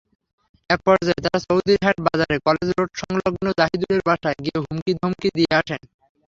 একপর্যায়ে তাঁরা চৌধুরীরহাট বাজারের কলেজ রোডসংলগ্ন জাহিদুলের বাসায় গিয়ে হুমকি-ধমকি দিয়ে আসেন।